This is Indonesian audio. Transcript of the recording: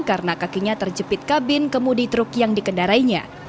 karena kakinya terjepit kabin kemudi truk yang dikendarainya